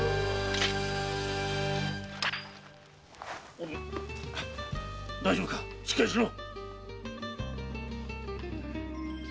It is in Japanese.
おぶん大丈夫かしっかりしろ！